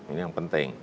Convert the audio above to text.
ini yang penting